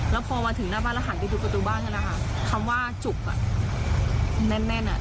แล้วพอมาถึงหน้าบ้านแล้วหันไปดูประตูบ้านนั่นแหละค่ะคำว่าจุกอ่ะแน่นแน่นอ่ะ